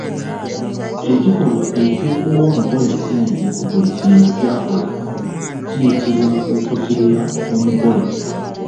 Ekikolwa ekyokuwa omugole ssente ku buli kintu ky’akola kiyitibwa okuzirula omugole.